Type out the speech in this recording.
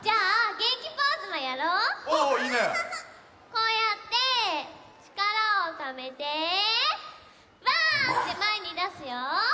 こうやってちからをためて「ばあっ」ってまえにだすよ！